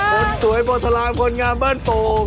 คนสวยโพธราบคนงามบ้านปรุง